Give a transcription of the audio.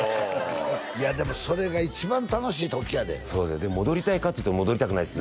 いやでもそれが一番楽しい時やでそうですねでも戻りたいかっつったら戻りたくないですね